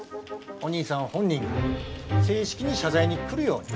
お兄さん本人が正式に謝罪に来るように。